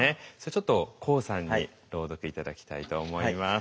ちょっとＫＯＯさんに朗読頂きたいと思います。